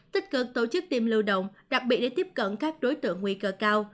tích cực tổ chức tiêm lưu động đặc biệt để tiếp cận các đối tượng nguy cơ cao